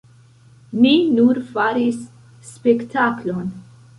Ni nur faris spektaklon".